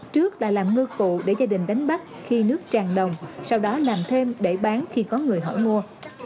trước là làm ngư cụ để gia đình đánh bắt khi nước tràn đồng sau đó làm thêm để bán khi có người hỏi mua